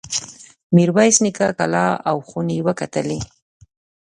میرویس نیکه کلا او خونې وکتلې.